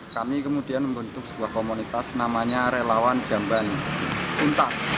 kami kemudian membentuk sebuah komunitas namanya relawan jamban tuntas